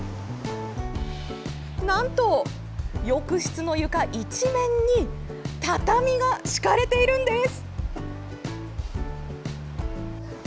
なんと、浴室の床一面に畳が敷かれているんです。